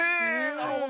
なるほど。